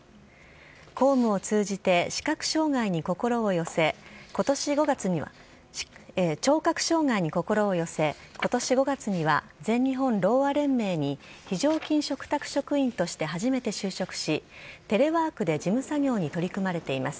公務を通じて、聴覚障害に心を寄せ、ことし５月には、全日本ろうあ連盟に非常勤嘱託職員として初めて就職し、テレワークで事務作業に取り組まれています。